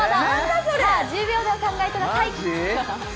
さあ、１０秒でお考えください。